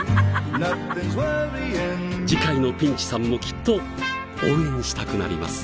次回のピンチさんもきっと応援したくなります